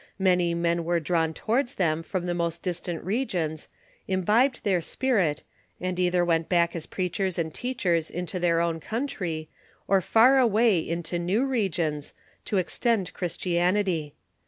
Many men were drawn towards them from the most distant regions, imbibed their spirit, and either went back as preachers and teachers into their own country, or far away, into new regions, to ex tend Christianity.